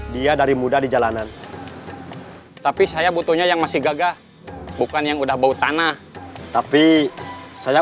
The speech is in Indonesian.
dia dari muda di jalanan tapi saya butuhnya yang masih gagah bukan yang udah bau tanah tapi saya